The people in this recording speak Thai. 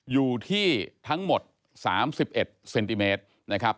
อยู่ที่ทั้งหมด๓๑เซนติเมตรนะครับ